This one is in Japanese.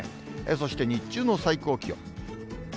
そして日中の最高気温。